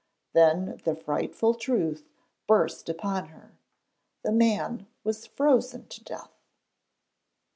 Then the frightful truth burst upon her. The man was frozen to death!